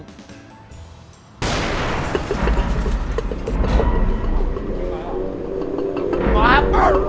พี่หมอครับ